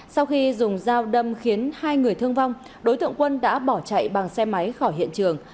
sau khi dùng dao đâm khiến hai người thương vong đối tượng quân đã bỏ chạy bằng xe máy khỏi hiện trường